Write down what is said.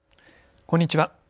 こんにちは。